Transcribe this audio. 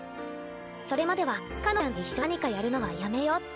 それまではかのんちゃんと一緒に何かやるのはやめようって。